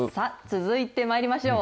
続いてまいりましょう。